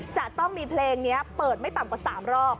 จะต้องมีเพลงนี้เปิดไม่ต่ำกว่า๓รอบ